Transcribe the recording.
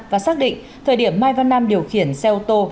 và xác định thời điểm mai văn nam điều khiển xe đạp điện